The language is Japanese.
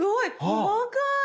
細かい！